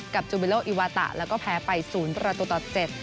กับจูบิโลอีวาตะแล้วก็แพ้ไปศูนย์ประตูตอดเจ็ด